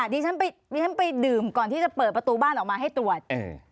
ดิฉันไปดิฉันไปดื่มก่อนที่จะเปิดประตูบ้านออกมาให้ตรวจ